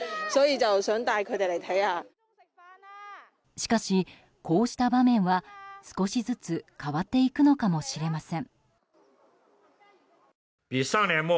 しかし、こうした場面は少しずつ変わっていくのかもしれません。